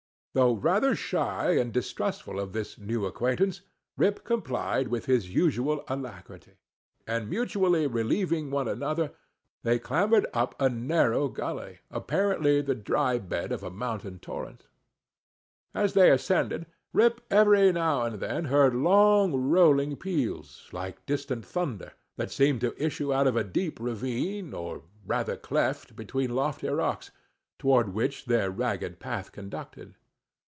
Though rather shy and distrustful of this new acquaintance, Rip complied with his usual alacrity; and mutually relieving one another, they clambered up a narrow gully, apparently the dry bed of a mountain torrent. As they ascended, Rip every now and then heard long rolling peals, like distant thunder, that seemed to issue out of a deep ravine, or rather cleft, between lofty[Pg 9] rocks, toward which their rugged path conducted.